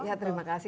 iya terima kasih